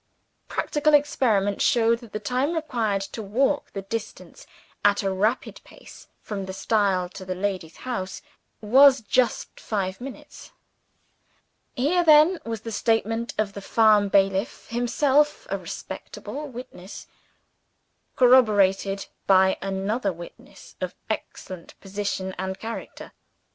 Practical experiment showed that the time required to walk the distance, at a rapid pace, from the stile to the lady's house, was just five minutes. Here then was the statement of the farm bailiff (himself a respectable witness) corroborated by another witness of excellent position and character.